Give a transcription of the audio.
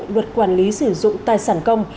luật quản lý sử dụng tài sản công